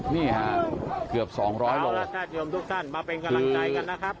นี่ค่ะเกือบสองร้อยโลครับมาเป็นกำลังใจกันนะครับ